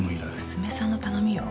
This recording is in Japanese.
娘さんの頼みよ。